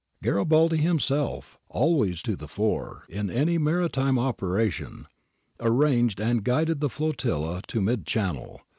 Garibaldi himself, always to the fore in any maritime operation, arranged and guided the flotilla into mid channel.